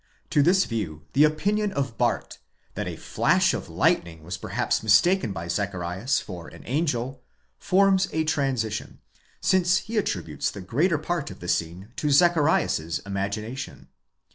To this view the opinion of Bahrdt, that a flash of lightning was perhaps mistaken by Zacharias for an angel,! forms a transition; since he attributes the greater part of the scene to Zacharias's imagination.